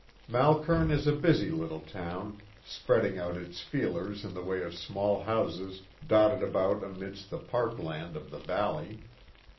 Malkern is a busy little town, spreading out its feelers in the way of small houses dotted about amidst the park land of the valley.